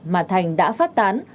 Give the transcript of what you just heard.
mà thành đã phát tán